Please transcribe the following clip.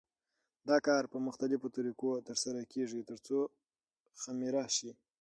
دا کار په مختلفو طریقو تر سره کېږي ترڅو خمېره شي.